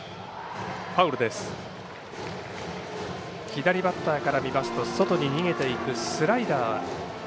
左バッターから見ますと外に逃げていくスライダー。